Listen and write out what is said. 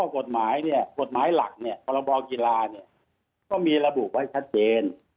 กฎหมายหลักปรบกีฬาก็มีระบุไว้ชัดเจน